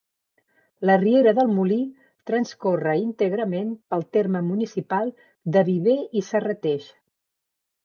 La Riera del Molí transcorre íntegrament pel terme municipal de Viver i Serrateix.